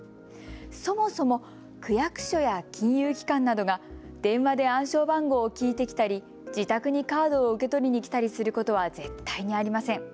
そもそも区役所や金融機関などが電話で暗証番号を聞いてきたり自宅にカードを受け取りに来たりすることは絶対にありません。